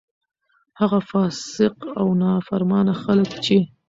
هغه فاسق او نا فرمانه خلک چې: